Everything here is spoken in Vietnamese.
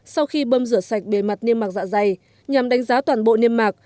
sau khi bơm rửa sạch bề mặt niêm mạc dạ dày nhằm đánh giá toàn bộ niêm mạc